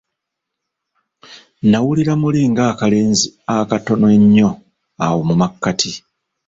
Nawulira muli nga kalenzi akatono ennyo awo mu makkati .